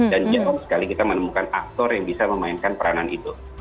dan jarang sekali kita menemukan aktor yang bisa memainkan peranan itu